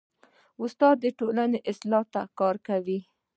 استاد د ټولنې اصلاح ته کار کوي.